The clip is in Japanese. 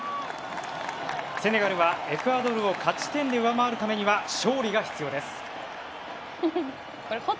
セネガルはエクアドルを勝ち点で上回るためには勝利が必要です。